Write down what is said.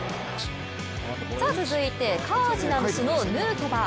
続いてカージナルスのヌートバー。